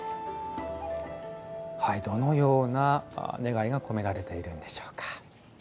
どのような願いが込められているんでしょうか。